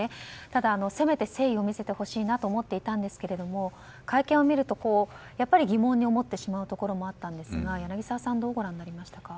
ただ、せめて誠意を見せてほしいなと思っていたんですが会見を見ると疑問に思ってしまうところもあったんですが柳澤さんはどうご覧になりましたか。